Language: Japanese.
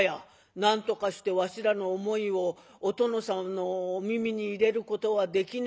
なんとかしてわしらの思いをお殿さんのお耳に入れることはできねえかなって。